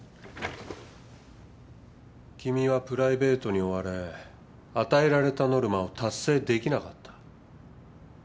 君はプライベートに追われ与えられたノルマを達成できなかった。